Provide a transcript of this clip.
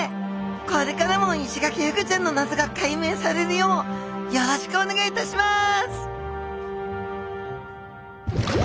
これからもイシガキフグちゃんの謎が解明されるようよろしくお願いいたします！